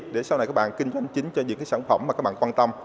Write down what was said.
để sau này các bạn kinh doanh chính cho những cái sản phẩm mà các bạn quan tâm